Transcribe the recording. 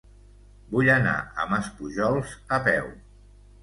Vull anar a Maspujols a peu.